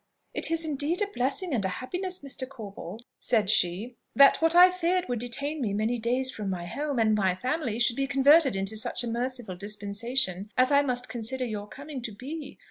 "It is indeed a blessing and a happiness, Mr. Corbold," said she, "that what I feared would detain me many days from my home and my family should be converted into such a merciful dispensation as I must consider your coming to be.